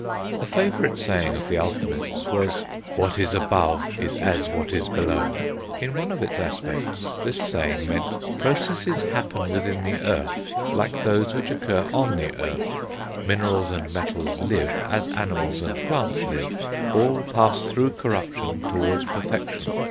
A favourite saying of the alchemists was, "What is above is as what is below." In one of its aspects this saying meant, "processes happen within the earth like those which occur on the earth; minerals and metals live, as animals and plants live; all pass through corruption towards perfection."